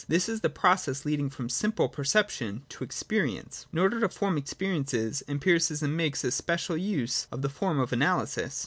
This is the pro cess leading from simple perception to experience. In order to form experiences. Empiricism makes especial use of the form of Analysis.